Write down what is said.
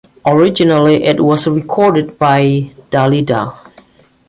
Originally it was recorded by Dalida.